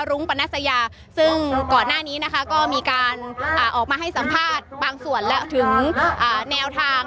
รุ้งปนัสยาซึ่งก่อนหน้านี้นะคะก็มีการออกมาให้สัมภาษณ์บางส่วนแล้วถึงแนวทาง